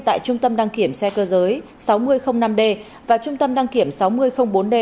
tại trung tâm đăng kiểm xe cơ giới sáu nghìn năm d và trung tâm đăng kiểm sáu nghìn bốn d